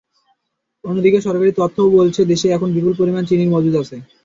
অন্যদিকে সরকারি তথ্যও বলছে, দেশে এখন বিপুল পরিমাণ চিনির মজুত আছে।